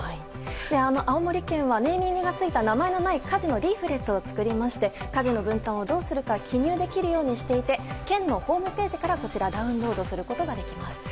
青森県はネーミングがついた名前がない家事のリーフレットを作りまして家事の分担をどうするか記入できるようにしていて県のホームページからダウンロードすることができます。